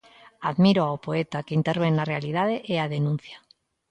Admiro ao poeta que intervén na realidade e a denuncia.